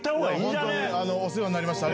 お世話になりました